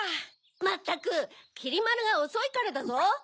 まったくきりまるがおそいからだぞ！